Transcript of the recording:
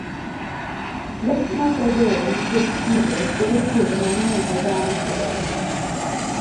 Lit ma bedoe nikech chilo kelo tuoche mang'eny ne dhano koda le.